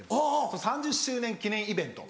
その３０周年記念イベント